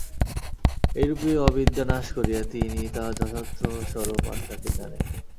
এইরূপে অবিদ্যা নাশ করিয়া তিনি তাঁহার যথার্থ স্বরূপ আত্মাকে জানেন।